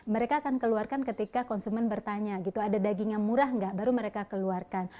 mereka akan keluarkan ketika konsumen bertanya gitu ada daging yang murah nggak baru mereka keluarkan